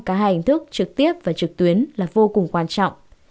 cả hai hình thức trực tiếp và trực tuyến là vô cùng quan trọng